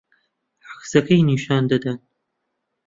عەکسەکەی نیشان دەدەن